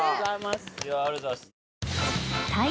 ありがとうございます。